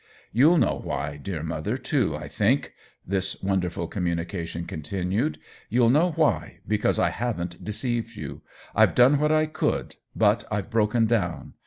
" You'll know why, dear mother, too, I think," this wonderful communication con tinued ;" you'll know why, because I haven't deceived you. I've done what I could, but I've broken down.